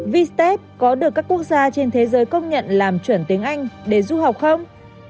vstep có được các quốc gia trên thế giới công nhận làm chuẩn tiếng anh để du học không